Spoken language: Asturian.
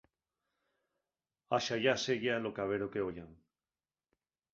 Axallá seya lo cabero qu'oyan.